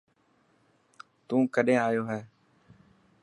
تون ڪڏين آيو هي.